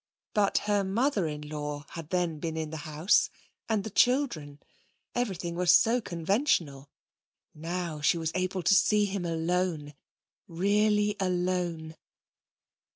But her mother in law had then been in the house. And the children. Everything was so conventional. Now she was able to see him alone. Really alone....